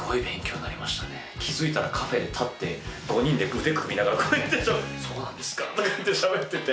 気付いたらカフェで立って５人で腕組みながらこうやって「そうなんですか」とかってしゃべってて。